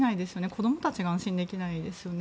子どもたちが安心できないですよね。